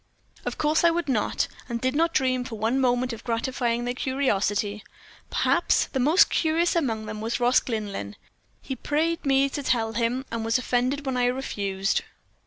Of course I would not, and did not dream for one moment of gratifying their curiosity. Perhaps the most curious among them was Ross Glynlyn. He prayed me to tell him, and was offended when I refused.